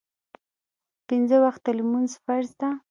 پنځه وخته لمونځ فرض ده